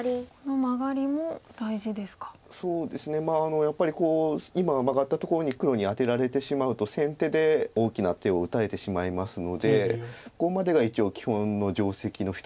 やっぱり今マガったところに黒にアテられてしまうと先手で大きな手を打たれてしまいますのでここまでが一応基本の定石の一つとされています。